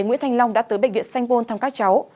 nguyễn thanh long đã tới bệnh viện sanh bôn thăm các cháu